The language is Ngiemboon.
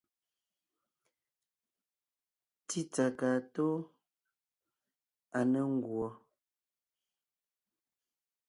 Tsítsà kaa tóo, à ne ńguɔ.